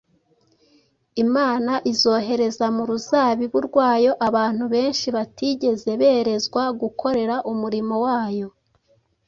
Imana izohereza mu ruzabibu rwayo abantu benshi batigeze berezwa gukora umurimo wayo